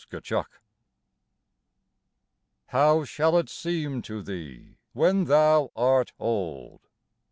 TO A WOMAN How shall it seem to thee when thou art old